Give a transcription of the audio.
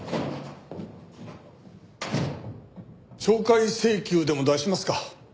懲戒請求でも出しますか？